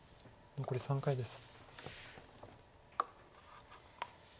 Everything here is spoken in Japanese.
残り３回です。